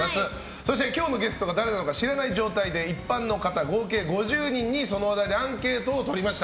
そして今日のゲストが誰なのか知らない状態で一般の方合計５０人にそのお題でアンケートを取りました。